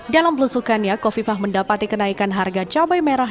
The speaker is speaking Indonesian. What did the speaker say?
dalam belusukannya kofifah mendapati kenaikan harga cabai merah